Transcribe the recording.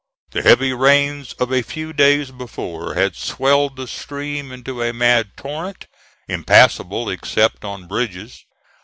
The heavy rains of a few days before had swelled the stream into a mad torrent, impassable except on bridges.